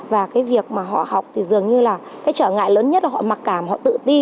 và cái việc mà họ học thì dường như là cái trở ngại lớn nhất là họ mặc cảm họ tự ti